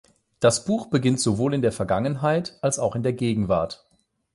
Das Buch beginnt sowohl in der Vergangenheit als auch in der Gegenwart.